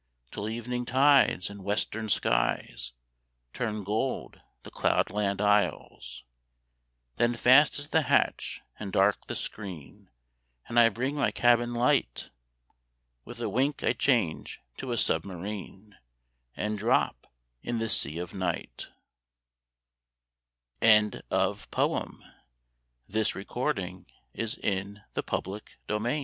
Till evening tides in western skies Turn gold the cloudland isles; Then fast is the hatch and dark the screen. And I bring my cabin light; With a wink I change to a submarine And drop in the sea of Night, WAR IN THE NORTH Not from Mars and not from Thor C